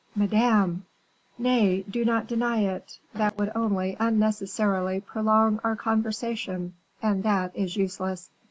"Madame!" "Nay, do not deny it; that would only unnecessarily prolong our conversation, and that is useless."